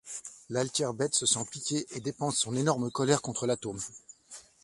L’altière bête se sent piquée et dépense son énorme colère contre l’atome.